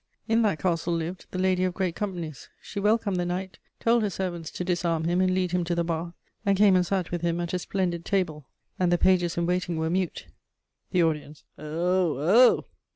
In that castle lived "the Lady of Great Companies." She welcomed the knight, told her servants to disarm him and lead him to the bath, and came and sat with him at a splendid table; and the pages in waiting were mute." The audience: "Oh, oh!"